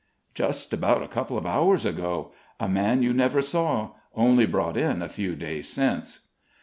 "Just about a couple of hours ago. A man you never saw; only brought in a few days since."